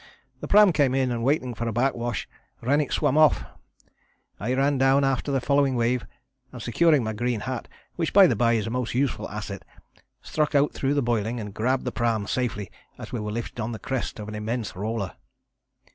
The pram came in, and waiting for a back wash Rennick swam off. I ran down after the following wave, and securing my green hat, which by the bye is a most useful asset, struck out through the boiling, and grabbed the pram safely as we were lifted on the crest of an immense roller.